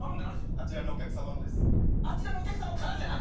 あちらのお客様の？